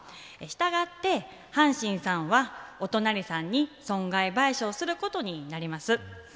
したがって阪神さんはお隣さんに損害賠償することになります。